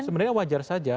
sebenarnya wajar saja